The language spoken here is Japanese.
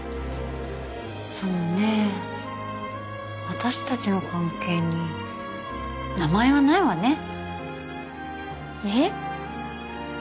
そうねえ私達の関係に名前はないわねええ？